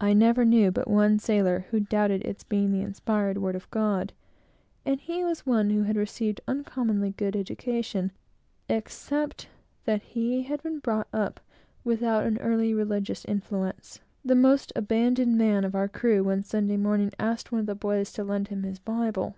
I never knew but one sailor who doubted its being the inspired word of God; and he was one who had received an uncommonly good education, except that he had been brought up without any early religious influence. The most abandoned man of our crew, one Sunday morning, asked one of the boys to lend him his Bible.